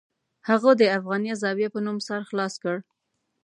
هغه د افغانیه زاویه په نوم سر خلاص کړ.